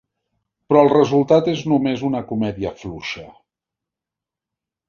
Però el resultat és només una comèdia fluixa.